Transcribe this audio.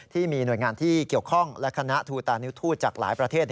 ที่มีหน่วยงานที่เกี่ยวข้องและคณะทูตานิวทูตจากหลายประเทศ